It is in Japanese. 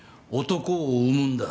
男を産むんだ。